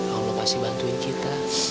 allah pasti bantuin kita